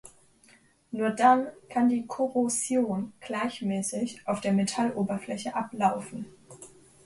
Nur dann kann die Korrosion gleichmäßig auf der Metalloberfläche ablaufen.